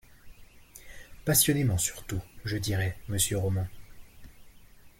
Passionnément surtout, je dirais, monsieur Roman.